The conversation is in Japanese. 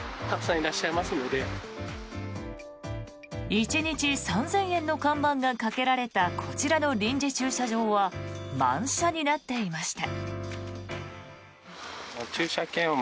１日３０００円の看板がかけられたこちらの臨時駐車場は満車になっていました。